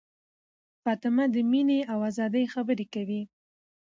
فاطمه د مینې او ازادۍ خبرې کوي.